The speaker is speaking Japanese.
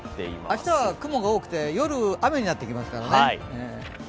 明日は雲が多くて夜、雨になってきますからね。